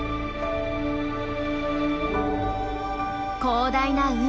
広大な海。